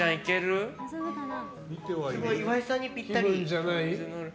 すごい。岩井さんにぴったり。